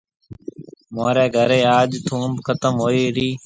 مهوريَ گهريَ آج ٿونڀ ختم هوئِي رِي